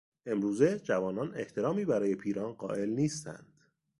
امروزه جوانان احترامی برای پیران قائل نیستند.